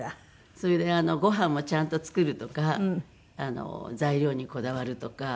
それでご飯もちゃんと作るとか材料にこだわるとか。